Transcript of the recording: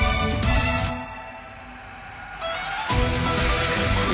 「救いたい」